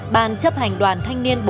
bàn chấp hành đoàn thanh niên bộ